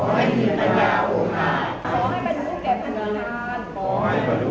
ขอให้ประนุกแก่พนิพาน